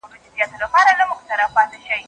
زیارتونو ته سلام دی خو وخت تېر دی د جنډیو